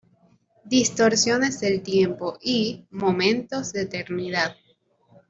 Distorsiones del tiempo y "momentos de eternidad".